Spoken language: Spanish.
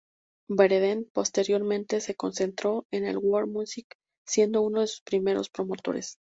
Berendt posteriormente se concentró en la "world music", siendo uno de sus primeros promotores.